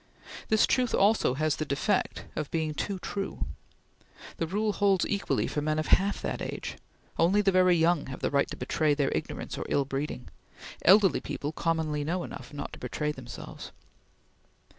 This truth also has the defect of being too true. The rule holds equally for men of half that age Only the very young have the right to betray their ignorance or ill breeding. Elderly people commonly know enough not to betray themselves.